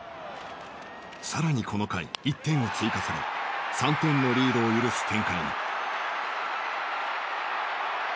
更にこの回１点を追加され３点のリードを許す展開に。